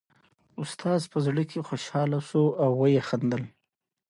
سلای فاکس په زړه کې خوشحاله شو او وخندل